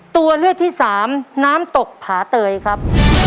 ตัวเลือกที่สามน้ำตกผาเตยครับ